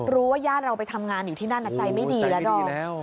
รู้ว่าญาติเราไปทำงานอยู่ที่นั่นน่ะใจไม่ดีแล้ว